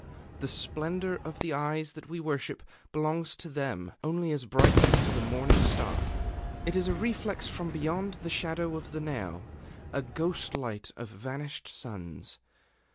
The splendor of the eyes that we worship belongs to them only as brightness to the morning star. It is a reflex from beyond the shadow of the Now, a ghost light of vanished suns.